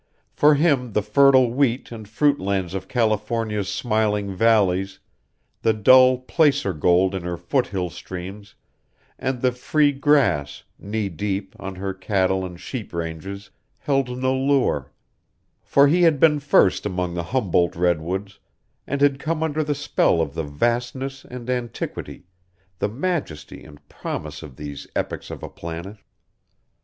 For him the fertile wheat and fruit lands of California's smiling valleys, the dull placer gold in her foot hill streams, and the free grass, knee deep, on her cattle and sheep ranges held no lure; for he had been first among the Humboldt redwoods and had come under the spell of the vastness and antiquity, the majesty and promise of these epics of a planet.